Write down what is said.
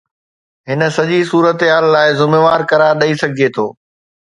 هن سڄي صورتحال لاء ذميوار قرار ڏئي سگهجي ٿو.